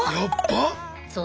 そう。